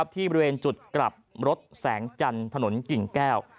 ที่บริเวณจุดกลับรถแสงจันทร์ถนนกิ่งแก้ว